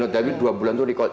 tapi dua bulan itu record